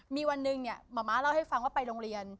มีวันหนึ่งเนี่ยมะม้าเล่าให้ฟังว่าไปโรงเรียน